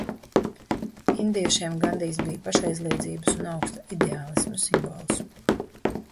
Indiešiem Gandijs bija pašaizliedzības un augsta ideālisma simbols.